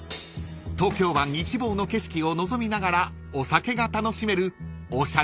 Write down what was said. ［東京湾一望の景色を望みながらお酒が楽しめるおしゃれなバーです］